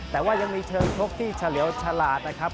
ก็ยังมีเชิญชกที่เฉลียวฉลาดนะครับ